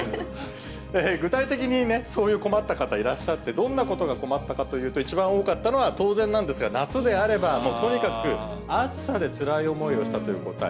具体的にそういう困った方いらっしゃって、どんなことが困ったかというと、一番多かったのは、当然なんですが、夏であれば、もう、とにかく暑さでつらい思いをしたという答え。